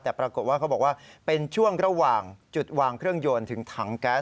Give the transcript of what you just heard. แต่ปรากฏว่าเขาบอกว่าเป็นช่วงระหว่างจุดวางเครื่องยนต์ถึงถังแก๊ส